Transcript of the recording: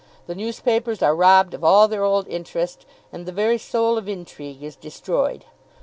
The newspapers are robbed of all their old interest, and the very soul of intrigue is destroyed.